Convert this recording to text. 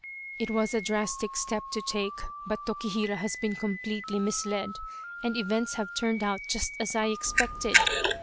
It was a drastic step to take, but Tokihira has been completely misled, and events have turned out just as I expected.